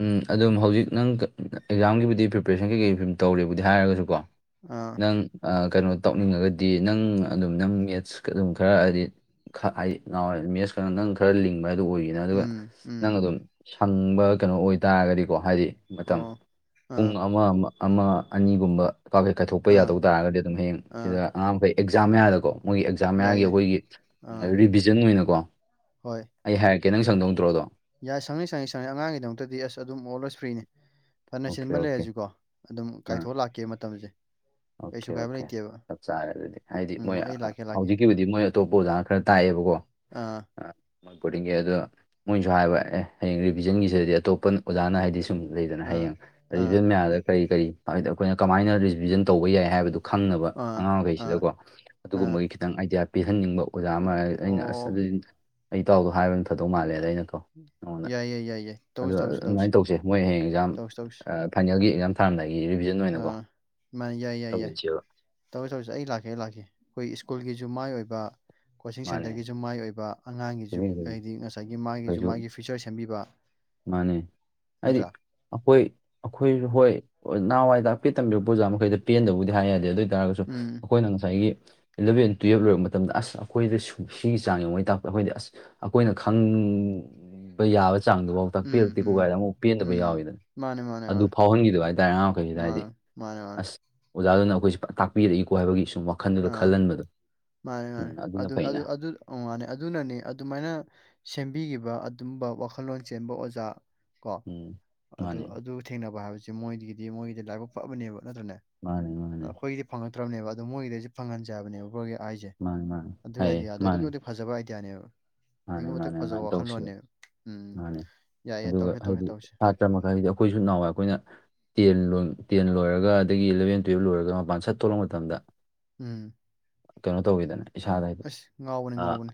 ꯎꯝ ꯑꯗꯨꯝ ꯍꯧꯖꯤꯛ ꯅꯪ ꯑꯦꯛꯖꯥꯝꯒꯤꯕꯨꯗꯤ ꯄ꯭ꯔꯤꯄꯦꯔꯦꯁꯟ ꯀꯩꯀꯩ ꯁꯨꯝ ꯇꯧꯔꯦꯕꯨꯗꯤ ꯍꯥꯏꯔꯒꯁꯨ ꯀꯣ ꯑꯥ ꯅꯪ ꯀꯩꯅꯣ ꯇꯧꯅꯤꯡꯉꯒꯗꯤ ꯅꯪ ꯑꯗꯨꯝ ꯅꯪ ꯃꯦꯠꯁ ꯑꯗꯨꯝ ꯈꯔ ꯍꯥꯏꯗꯤ ꯃꯦꯁ ꯈꯔ ꯅꯪ ꯈꯔ ꯂꯤꯡꯕ ꯍꯥꯏ ꯑꯗꯨ ꯑꯣꯏꯒ ꯑꯗꯨꯒ ꯎꯝ ꯅꯪ ꯎꯝ ꯑꯗꯨꯝ ꯁꯪꯕ ꯀꯩꯅꯣ ꯑꯣꯏꯇꯥꯥꯔꯒꯗꯤꯀꯣ ꯍꯥꯏꯗꯤ ꯃꯇꯝ ꯑꯣ ꯄꯨꯡ ꯑꯥ ꯑꯃ ꯑꯃ ꯑꯅꯤꯒꯨꯝꯕ ꯀꯥꯐꯩ ꯀꯥꯏꯊꯣꯛꯄ ꯑꯥ ꯌꯥꯗꯧ ꯇꯥꯔꯒꯗꯤ ꯑꯗꯨꯝ ꯍꯌꯦꯡ ꯁꯤꯗ ꯑꯥ ꯑꯉꯥꯡ ꯃꯈꯩ ꯑꯦꯛꯖꯥꯝ ꯃꯌꯥꯗꯀꯣ ꯃꯣꯏꯒꯤ ꯑꯦꯛꯖꯥꯝ ꯌꯥꯏ ꯃꯌꯥꯒꯤ ꯌꯥꯏ ꯑꯈꯣꯏꯒꯤ ꯑꯥ ꯔꯤꯚꯤꯖꯟ ꯑꯣꯏꯅꯀꯣ ꯍꯣꯏ ꯑꯩ ꯍꯥꯏꯔꯛꯀꯦ ꯅꯪ ꯁꯪꯗꯧꯅꯇ꯭ꯔꯣꯗꯣ ꯌꯥꯏ ꯁꯪꯅꯤ ꯁꯪꯅꯤ ꯁꯪꯅꯤ ꯑꯉꯥꯡꯒꯤꯗꯃꯛꯇꯗꯤ ꯑꯁ ꯑꯗꯨꯝ ꯑꯣꯜꯋꯦꯁ ꯐ꯭ꯔꯤꯅꯤ ꯐꯅ ꯑꯣꯀꯦ ꯆꯤꯟꯕ ꯑꯣꯀꯦ ꯂꯩꯔꯁꯨꯀꯣ ꯑꯗꯨꯝ ꯑꯥ ꯀꯥꯏꯊꯣꯛ ꯑ ꯂꯥꯛꯀꯦ ꯃꯇꯝꯁꯦ ꯑꯣꯀꯦ ꯀꯩꯁꯨ ꯀꯥꯏꯕ ꯑꯣꯀꯦ ꯂꯩꯇꯦꯕ ꯆꯞ ꯆꯥꯔꯦ ꯑꯗꯨꯗꯤ ꯍꯥꯏꯗꯤ ꯎꯝ ꯃꯣꯏ ꯑꯩ ꯂꯥꯛꯀꯦ ꯂꯥꯛꯀꯦ ꯍꯧꯖꯤꯛꯀꯤꯕꯨꯗꯤ ꯃꯣꯏ ꯑꯇꯣꯞꯄ ꯑꯣꯖꯥꯅ ꯈꯔ ꯇꯥꯛꯑꯦꯕꯀꯣ ꯑꯥ ꯕꫭꫪꯗꯤꯡꯒꯤ ꯑꯗꯣ ꯃꯣꯏꯅꯁꯨ ꯍꯥꯏꯕ ꯑꯦ ꯍꯌꯦꯡ ꯔꯤꯚꯤꯖꯟꯒꯤꯁꯤꯗꯗꯤ ꯑꯇꯣꯞꯄ ꯑꯣꯖꯥꯅ ꯍꯥꯏꯗꯤ ꯁꯨꯝ ꯂꯩꯗꯅ ꯑꯥ ꯍꯌꯦꯡ ꯑꯥ ꯔꯤꯚꯤꯖꯟ ꯃꯌꯥꯝꯗ ꯀꯔꯤ ꯀꯔꯤ ꯍꯥꯏꯗꯤ ꯑꯩꯈꯣꯏꯅ ꯀꯃꯥꯏꯅ ꯔꯤꯚꯤꯖꯟ ꯇꯧꯕ ꯌꯥꯏ ꯍꯥꯏꯕꯗꯨ ꯈꯪꯅꯕ ꯑꯥ ꯑꯉꯥꯡ ꯑꯥ ꯃꯈꯈꯩꯁꯤꯗꯀꯣ ꯑꯥ ꯑꯗꯨꯒꯨꯝꯕꯒꯤ ꯈꯤꯇꯪ ꯑꯥꯏꯗꯤꯌꯥ ꯄꯤꯍꯟꯅꯤꯡꯕ ꯑꯣꯖꯥ ꯑꯃ ꯑꯩꯅ ꯑꯣ ꯑꯁ ꯑꯗꯨꯏ ꯑꯩ ꯏꯇꯥꯎꯗꯣ ꯍꯥꯏꯕꯅ ꯊꯥꯗꯧ ꯃꯥꯜꯂꯦꯗ ꯑꯩꯅꯀꯣ ꯅꯉꯣꯟꯗ ꯌꯥꯏ ꯌꯥꯏ ꯌꯥꯏ ꯌꯥꯏ ꯑꯗꯨ ꯇꯧꯁꯤ ꯇꯧꯁꯤ ꯇꯧꯁꯤ ꯑꯗꯨꯃꯥꯏꯅ ꯇꯧꯁꯦ ꯃꯣꯏ ꯍꯌꯦꯡ ꯑꯦꯛꯖꯥꯝ ꯇꯧꯁꯤ ꯇꯧꯁꯤ ꯑ ꯐꯥꯏꯅꯦꯜꯒꯤ ꯑꯦꯛꯖꯥꯝ ꯊꯥꯝꯗꯥꯏꯒꯤ ꯔꯤꯚꯤꯖꯟ ꯑꯣꯏꯅꯀꯣ ꯑꯥ ꯃꯥꯅꯤ ꯌꯥꯏ ꯌꯥꯏ ꯌꯥꯏ ꯇꯧꯁꯤꯟꯁꯦꯕ ꯇꯧꯁꯤ ꯇꯧꯁꯤ ꯑꯩ ꯂꯥꯛꯀꯦ ꯑꯩ ꯂꯥꯛꯀꯦ ꯑꯩꯈꯣꯏ ꯏꯁ꯭ꯀꯨꯜꯒꯤꯁꯨ ꯃꯥꯏ ꯑꯣꯏꯕ ꯀꯣꯆꯤꯡ ꯃꯥꯅꯦ ꯁꯦꯟꯇꫪꯒꯤꯁꯨ ꯃꯥꯏ ꯑꯣꯏꯕ ꯑꯉꯥꯡꯒꯤꯁꯨ ꯍꯧꯖꯤꯛ ꯍꯥꯏꯗꯤ ꯉꯁꯥꯏꯒꯤ ꯃꯥꯒꯤꯁꯨ ꯑꯩꯈꯣꯏꯁꯨ ꯃꯥꯒꯤ ꯐ꯭ꯌꯨꯆꫪ ꯁꯦꯝꯕꯤꯕ ꯃꯥꯅꯦ ꯍꯥꯏꯗꯤ ꯅꯠꯇ꯭ꯔꯥ ꯑꯩꯈꯣꯏ ꯑꯩꯈꯣꯏꯁꯨ ꯍꯣꯏ ꯅꯍꯥꯟꯋꯥꯏꯗꯥꯛꯄꯤ ꯇꯝꯕꯤꯕ ꯄꯨꯖꯥ ꯃꯈꯩꯗꯨ ꯄꯦꯟꯗꯕꯕꯨꯗꯤ ꯍꯥꯏ ꯌꯥꯗꯦ ꯑꯗꯨ ꯑꯣꯏ ꯇꯔꯒꯁꯨ ꯎꯝ ꯑꯩꯈꯣꯏꯅ ꯉꯁꯥꯏꯒꯤ ꯑꯦꯂꯕꯦꯟ ꯇꯨꯌꯦꯜꯕ ꯂꯣꯏꯦꯔꯛ ꯃꯇꯝꯗ ꯑꯁ ꯑꯩꯈꯣꯏꯁꯨ ꯁꯤꯒꯤ ꯆꯥꯡ ꯌꯦꯡꯉꯩ ꯇꯥꯛꯄꯗ ꯑꯩꯈꯣꯏꯗꯤ ꯑꯁ ꯑꯩꯈꯣꯏꯅ ꯈꯪꯕ ꯌꯥꯕ ꯆꯥꯡꯗꯨꯐꯥꯎ ꯎꯝ ꯎꯝ ꯇꯛꯄꯤꯔꯛꯇꯦꯀꯣꯒꯥꯏꯗ ꯑꯃꯨꯛ ꯄꯦꯟꯗꯕ ꯎꯝ ꯌꯥꯎꯋꯤꯗꯅ ꯃꯥꯅꯦ ꯃꯥꯅꯦ ꯑꯗꯨ ꯃꯥꯅꯦ ꯐꯥꯎꯍꯟꯈꯤꯗꯕ ꯍꯥꯏꯇꯥꯔꯦ ꯑꯉꯥꯡ ꯃꯈꯩꯁꯤꯗ ꯍꯥꯏꯗꯤ ꯃꯥꯅꯦ ꯃꯥꯅꯦ ꯃꯥꯅꯦ ꯑꯁ ꯑꯣꯖꯥꯗꯨꯅ ꯑꯩꯈꯣꯏꯁꯦ ꯐꯖ ꯇꯥꯛꯄꯤꯔꯛꯏꯀꯣ ꯍꯥꯏꯕꯒꯤ ꯁꯨꯝ ꯋꯥꯈꯜꯗꯨꯗ ꯑꯥ ꯈꯜꯍꯟꯕꯗꯣ ꯃꯥꯅꯦ ꯃꯥꯅꯦ ꯎꯝ ꯑꯗꯨꯅ ꯑꯗꯨ ꯑꯗꯨ ꯐꯩꯅ ꯑꯗꯨ ꯑꯣ ꯃꯥꯅꯤ ꯑꯗꯨꯅꯅꯤ ꯑꯗꯨꯃꯥꯏꯅ ꯁꯦꯝꯕꯤꯈꯤꯕ ꯑꯗꯨꯝꯕ ꯋꯥꯈꯜꯂꯣꯟ ꯆꯦꯟꯕ ꯑꯣꯖꯥ ꯀꯣ ꯎꯝ ꯑꯗꯨ ꯃꯥꯅꯦ ꯑꯗꯨ ꯊꯦꯡꯅꯕ ꯍꯥꯏꯕꯁꯤ ꯃꯣꯏꯗꯒꯤꯗꯤ ꯃꯣꯏꯒꯤꯗꯤ ꯂꯥꯏꯕꯛ ꯐꯕꯅꯦꯕ ꯅꯠꯇ꯭ꯔꯅꯦ ꯃꯥꯅꯦ ꯃꯥꯅꯦ ꯑꯩꯈꯣꯏꯒꯤꯗꯤ ꯐꯪꯉꯛꯇ꯭ꯔꯕꯅꯦꯕ ꯑꯗꫭ ꯃꯣꯏꯒꯤꯗꯗꯤ ꯐꯪꯍꯟꯖꯕꯅꯦꯕ [unintelligible] ꯍꯥꯏꯁꯦ ꯃꯥꯅꯦ ꯃꯥꯅꯦ ꯑꯗꯨꯒꯤ ꯍꯥꯏꯌꯦ ꯑꯥꯏꯗꯤꯌꯥꯗꯣ ꯑꯗꯨꯛꯀꯤ ꯃꯥꯅꯦ ꯃꯇꯤꯛ ꯐꯖꯕ ꯑꯥꯏꯗꯤꯌꯥꯅꯦꯕ ꯑꯗꯨꯛꯀꯤ ꯃꯥꯅꯦ ꯃꯥꯅꯦ ꯃꯇꯤꯛ ꯐꯖꯕ ꯑꯗꯨꯃꯥꯏꯅ ꯇꯧꯁꯦꯕ ꯋꯥꯈꯜꯂꯣꯟꯅꯦꯕ ꯎꯝ ꯌꯥꯏ ꯌꯥꯏ ꯇꯧꯔꯁꯦ ꯇꯧꯔꯁꯦ ꯇꯧꯔꯁꯤ [unintelligible] ꯑꯈꫭꯏꯁꯨ ꯅꯍꯥꯋꯥꯏ ꯑꯈꯣꯏꯅ ꯇꯦꯟ ꯂ ꯇꯦꯟ ꯂꯣꯏꯔꯒ ꯑꯗꯒꯤ ꯏꯂꯕꯦꯟ ꯇꯨꯌꯦꯜꯕ ꯂꯣꯏꯔꯒ ꯃꯄꯥꯟ ꯁꯠ ꯊꯣꯛꯂꯛ ꯃꯇꯝꯗ ꯎꯝ ꯀꯩꯅꯣ ꯇꯧꯋꯤꯗꯅꯦ ꯑ ꯉꯥꯎꯕꯅꯤ ꯉꯥꯎꯕꯅꯤ